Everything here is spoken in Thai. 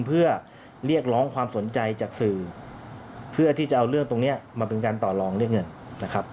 เพื่อเรียกร้องความสนใจจากสื่อเพื่อที่จะเอาเรื่องตรงนี้มาเป็นการต่อลองเรียกเงินนะครับ